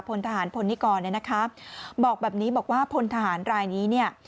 พลทหารพลนิกรบอกแบบนี้บอกว่าพลทหารรายนี้